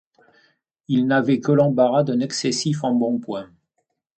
Il n’avait que l’embarras d’un excessif embonpoint.